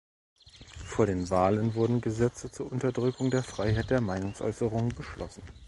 Vor den Wahlen wurden Gesetze zur Unterdrückung der Freiheit der Meinungsäußerung beschlossen.